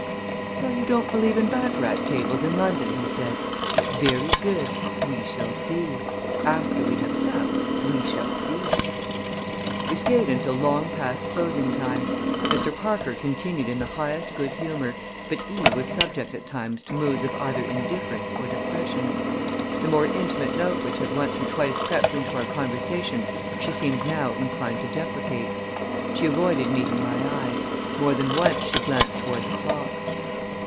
"So you don't believe in baccarat tables in London!" he said. "Very good! We shall see. After we have supped we shall see!" We stayed until long past closing time. Mr. Parker continued in the highest good humor, but Eve was subject at times to moods of either indifference or depression. The more intimate note which had once or twice crept into our conversation she seemed now inclined to deprecate. She avoided meeting my eyes. More than once she glanced toward the clock.